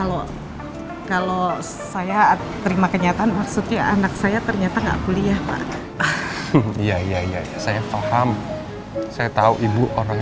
oke kita ke rumah sakit ya saya telfon ambulan ya